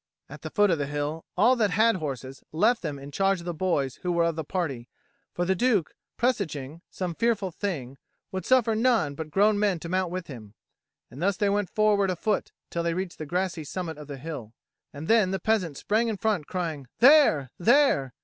At the foot of the hill, all that had horses left them in charge of the boys who were of the party, for the Duke, presaging some fearful thing, would suffer none but grown men to mount with him; and thus they went forward afoot till they reached the grassy summit of the hill. And then the peasant sprang in front, crying, "There, there!"